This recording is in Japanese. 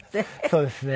そうですね。